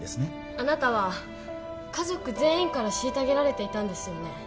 あなたは家族全員から虐げられていたんですよね